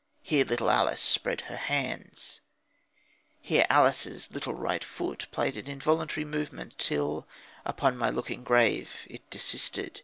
'" "Here little Alice spread her hands." "Here Alice's little right foot played an involuntary movement, till, upon my looking grave, it desisted."